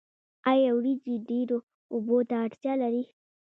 آیا وریجې ډیرو اوبو ته اړتیا لري؟